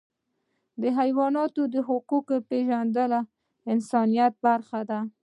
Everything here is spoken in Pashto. د حیواناتو حقوق پیژندل د انسانیت برخه ده.